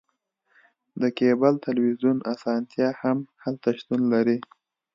د کیبل تلویزیون اسانتیا هم هلته شتون لري